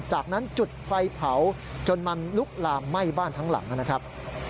จากนั้นจุดไฟเผาจนมันลุกลามไหม้บ้านทั้งหลังนะครับ